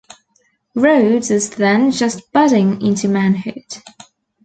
Rhodes was then just budding into manhood.